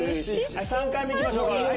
はい３回目いきましょうか。